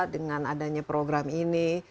dengan adanya program ini